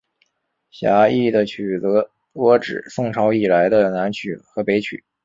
狭义的曲则多指宋朝以来的南曲和北曲。